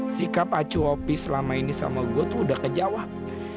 alih kontrollenya selama ini tuh udah terjawab